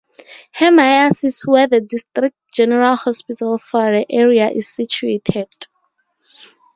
Hairmyres is where the district general hospital for the area is situated.